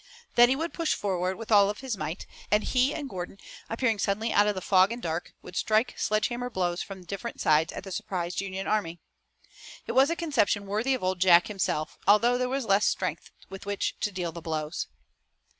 Then he would push forward with all his might, and he and Gordon appearing suddenly out of the fog and dark would strike sledge hammer blows from different sides at the surprised Union army. It was a conception worthy of Old Jack himself, although there was less strength with which to deal the blows.